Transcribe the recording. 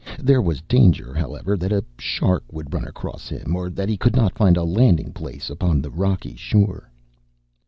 There was danger, however, that a shark would run across him, or that he could not find a landing place upon the rocky shore.